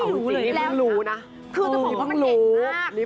สิฟังก็เป็นเด็ดมาก